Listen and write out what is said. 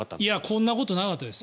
こんなことなかったです。